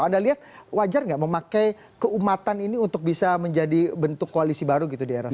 anda lihat wajar nggak memakai keumatan ini untuk bisa menjadi bentuk koalisi baru gitu di era sekarang